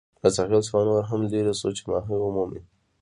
له ساحل څخه نور هم لیري شوو چې ماهي ومومو.